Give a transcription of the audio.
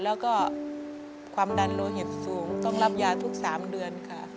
แล้วก็ความดันโลหิตสูงต้องรับยาทุก๓เดือนค่ะ